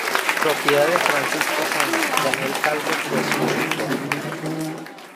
Propiedad de Francisco Sanz, Daniel Calvo fue su director.